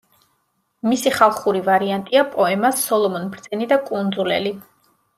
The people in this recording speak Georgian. მისი ხალხური ვარიანტია პოემა „სოლომონ ბრძენი და კუნძულელი“.